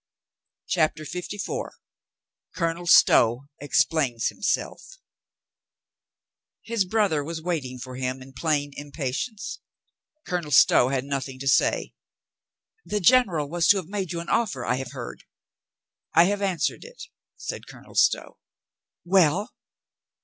.. CHAPTER FIFTY FOUR COLONEL STOW EXPLAINS HIMSELF T TIS brother was waiting for him in plain impa •*•* tience. Colonel Stow had nothing to say. "The General was to make you an offer, I have heard." "I have answered it," said Colonel Stow. "Well?"